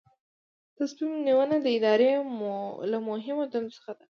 تصمیم نیونه د ادارې له مهمو دندو څخه ده.